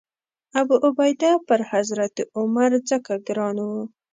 ابوعبیده پر حضرت عمر ځکه ګران و.